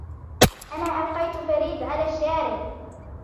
أنا التقيت فريد على الشارع.